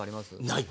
ない。